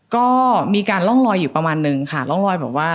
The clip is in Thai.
ก็มีการล่องลอยอยู่ประมาณนึงค่ะ